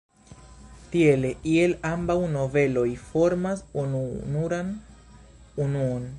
Tiele iel ambaŭ noveloj formas ununuran unuon.